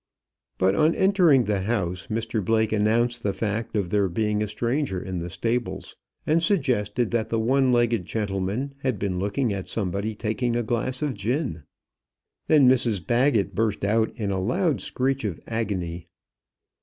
But on entering the house, Mr Blake announced the fact of there being a stranger in the stables, and suggested that the one legged gentleman had been looking at somebody taking a glass of gin. Then Mrs Baggett burst out into a loud screech of agony.